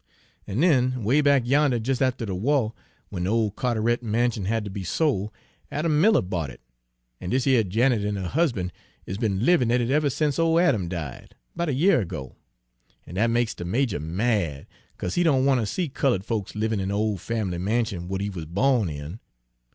An' den 'way back yander jes' after de wah, w'en de ole Carteret mansion had ter be sol', Adam Miller bought it, an' dis yer Janet an' her husban' is be'n livin' in it ever sence ole Adam died, 'bout a year ago; an' dat makes de majah mad, 'ca'se he don' wanter see cullud folks livin' in de ole fam'ly mansion w'at he wuz bawn in.